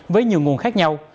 với nhiều nguồn khác nhau